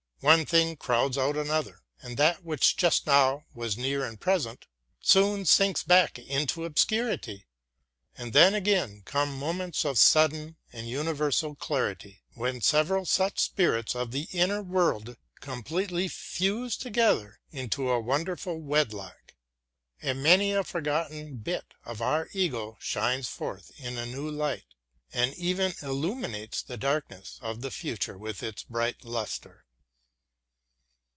One thing crowds out another, and that which just now was near and present soon sinks back into obscurity. And then again come moments of sudden and universal clarity, when several such spirits of the inner world completely fuse together into a wonderful wedlock, and many a forgotten bit of our ego shines forth in a new light and even illuminates the darkness of the future with its bright lustre.